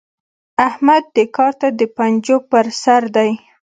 احمد دې کار ته د پنجو پر سر دی.